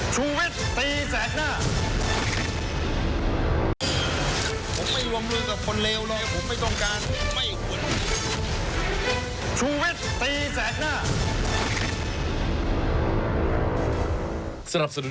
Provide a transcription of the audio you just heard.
ชูเวชตีแสดงหน้า